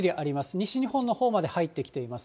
西日本のほうまで入ってきています。